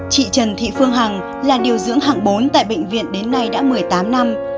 chị trần thị phương hằng là điều dưỡng hạng bốn tại bệnh viện đến nay đã một mươi tám năm